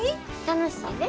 楽しいで。